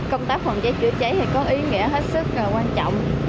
công tác phòng cháy chữa cháy thì có ý nghĩa hết sức quan trọng